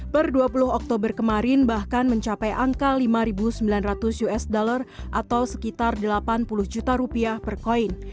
per dua puluh oktober kemarin bahkan mencapai angka lima sembilan ratus usd atau sekitar delapan puluh juta rupiah per koin